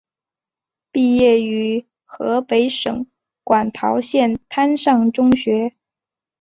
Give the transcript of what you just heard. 毕业于河北省馆陶县滩上中学。